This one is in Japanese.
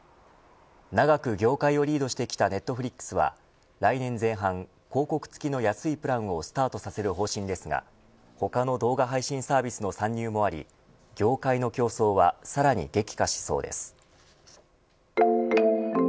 長く業界をリードしてきたネットフリックスは来年前半広告つきの安いプランをスタートさせる方針ですが他の動画配信サービスの参入もあり業界の競争はさらに激化しそうです。